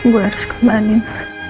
gue harus kemanin